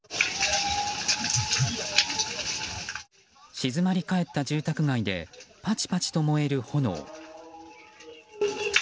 静まり返った住宅街でぱちぱちと燃える炎。